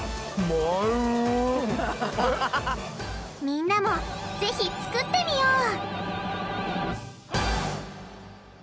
みんなもぜひ作ってみよう！